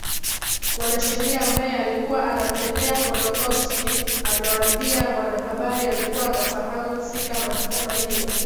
mwanasheria ambaye alikuwa anamtetea kodokoski amewambia wanahabari alikuwa anafahamu fika mahakama hiyo